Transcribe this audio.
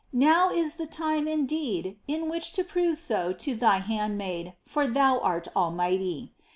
Now is the time indeed in which to prove so to Thy handmaid, for Thou art almighty.